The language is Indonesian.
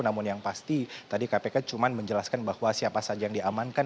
namun yang pasti tadi kpk cuma menjelaskan bahwa siapa saja yang diamankan